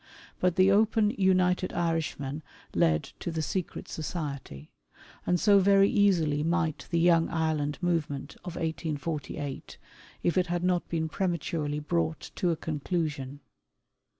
But the open United Irishmen led to the secret society ; and so very easily might the Young Ireland movement of 1848, if it had not been prematurely brought to a conclusion.